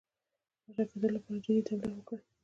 پاچاکېدلو لپاره جدي تبلیغ وکړي.